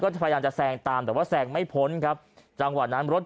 พยายามจะแซงตามแต่ว่าแซงไม่พ้นครับจังหวะนั้นรถ